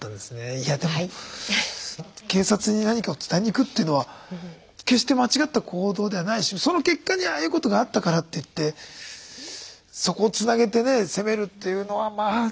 いやでも警察に何かを伝えに行くっていうのは決して間違った行動ではないしその結果にああいうことがあったからっていってそこをつなげてね責めるっていうのは。